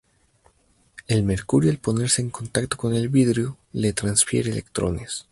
El mercurio al ponerse en contacto con el vidrio, le transfiere electrones.